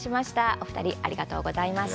お二人、ありがとうございました。